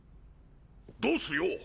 どうするよ？